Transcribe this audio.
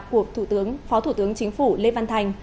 của thủ tướng phó thủ tướng chính phủ lê văn thành